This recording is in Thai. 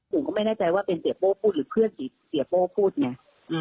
หนูก็ไม่แน่ใจว่าเป็นเสียโป้พูดหรือเพื่อนหรือเสียโป้พูดไง